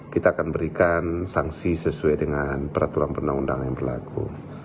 kita akan berikan sanksi sesuai dengan peraturan perundang undang yang berlaku